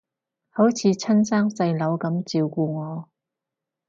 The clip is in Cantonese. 好似親生細佬噉照顧我